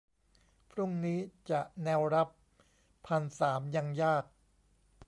พรุ่งนี้จะแนวรับพันสามยังยาก